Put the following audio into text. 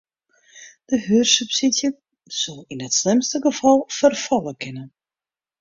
De hiersubsydzje soe yn it slimste gefal ferfalle kinne.